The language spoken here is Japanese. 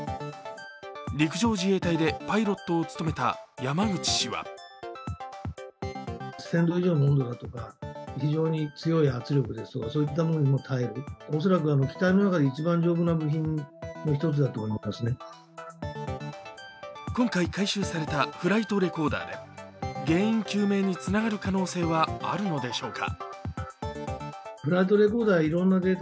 陸上自衛隊でパイロットを務めた山口氏は今回、回収されたフライトレコーダーで原因究明につながる可能性はあるのでしょうか。